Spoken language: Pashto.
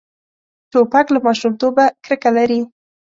توپک له ماشومتوبه کرکه لري.